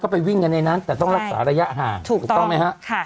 ไปวิ่งกันในนั้นแต่ต้องรักษาระยะห่างถูกต้องไหมฮะ